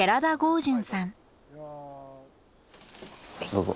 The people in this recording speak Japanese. どうぞ。